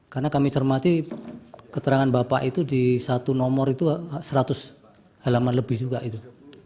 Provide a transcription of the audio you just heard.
karena kami hormati keterangan bapak itu di satu nomor itu seratus halaman lebih juga itu